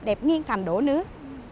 đẹp nghiêng thành đổ nước